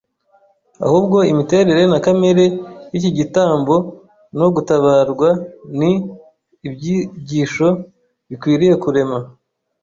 ahubwo imiterere na kamere y’iki gitambo no gutabarwa ni ibyigisho bikwiriye kurema